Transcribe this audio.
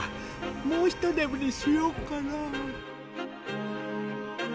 もうひとねむりしようかな。